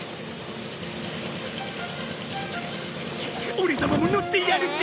オレ様も乗ってやるぜ！